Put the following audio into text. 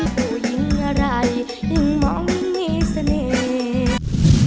ผู้หญิงอะไรยิ่งมองยิ่งมีเสน่ห์